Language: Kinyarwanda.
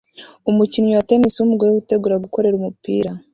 Umukinnyi wa tennis wumugore witegura gukorera umupira